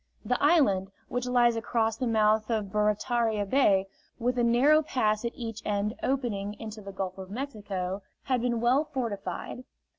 The island, which lies across the mouth of Barataria Bay, with a narrow pass at each end opening, into the Gulf of Mexico, had been well fortified.